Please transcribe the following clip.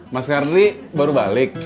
mas karni baru balik